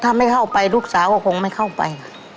ถ้าไม่เข้าไปลูกสาวก็คงไม่เข้าไป